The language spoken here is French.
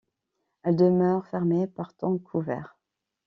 Elles demeurent fermées par temps couvert.